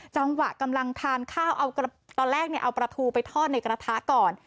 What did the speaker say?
กำลังทานข้าวเอาตอนแรกเอาปลาทูไปทอดในกระทะก่อน